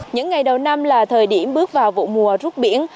những ngày đầu năm là thời điểm bước vào vụ mùa rút biển